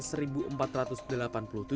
tim liput jombang